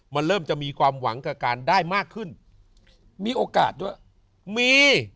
มันเริ่มจะมีความหวังกับการได้มากขึ้นมีโอกาสด้วยมี